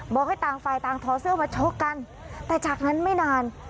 บอกให้ต่างฝ่ายต่างถอดเสื้อมาชกกันแต่จากนั้นไม่นาน